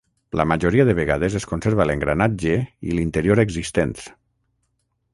La majoria de vegades es conserva l'engranatge i l'interior existents.